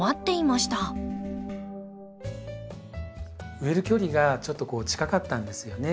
植える距離がちょっと近かったんですよね。